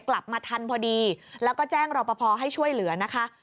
กลับมาทันพอดีแล้วก็แจ้งรอปภให้ช่วยเหลือนะคะ